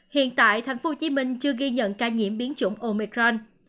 hiện tại tp hcm chưa ghi nhận ca nhiễm biến chủng omicron